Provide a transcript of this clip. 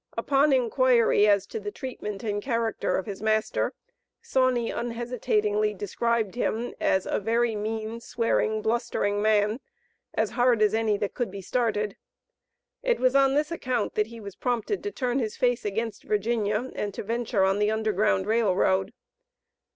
Upon inquiry as to the treatment and character of his master, Sauney unhesitatingly described him as a "very mean, swearing, blustering man, as hard as any that could be started." It was on this account that he was prompted to turn his face against Virginia and to venture on the Underground Rail Road.